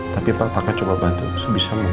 tapi papa akan coba bantu sebisa mungkin ya